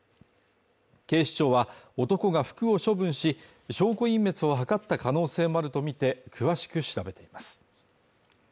警視庁は男が服を処分し証拠隠滅を図った可能性もあるとみて詳しく調べています